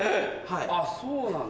あっそうなんだ。